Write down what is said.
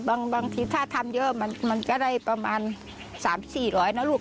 บางทีถ้าทำเยอะมันก็ได้ประมาณ๓๔๐๐นะลูก